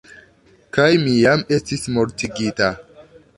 Kaj mi jam estis mortigita.